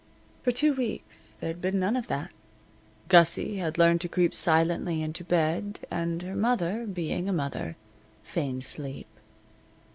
For two weeks there had been none of that. Gussie had learned to creep silently into bed, and her mother, being a mother, feigned sleep.